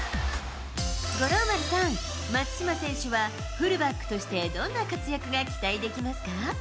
五郎丸さん、松島選手はフルバックとしてどんな活躍が期待できますか。